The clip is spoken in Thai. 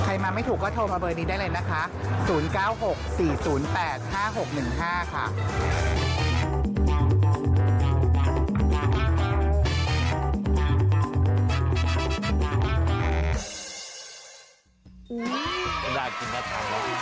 ใครมาไม่ถูกก็โทรมาเบอร์นี้ได้เลยนะคะ๐๙๖๔๐๘๕๖๑๕ค่ะ